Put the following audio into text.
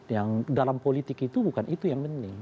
yang dalam politik itu bukan itu yang penting